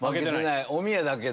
おみやだけ。